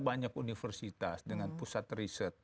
banyak universitas dengan pusat riset